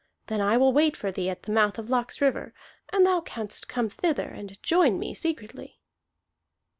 Then I will wait for thee at the mouth of Laxriver, and thou canst come thither and join me secretly."